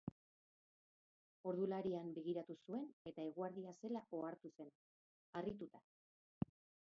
Ordularian begiratu zuen eta eguerdia zela ohartu zen, harrituta.